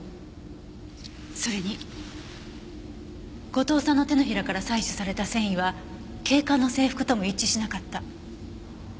それに後藤さんの手のひらから採取された繊維は警官の制服とも一致しなかった。